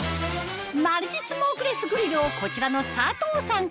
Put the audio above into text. マルチスモークレスグリルをこちらの佐藤さん